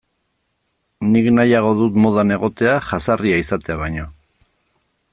Nik nahiago dut modan egotea jazarria izatea baino.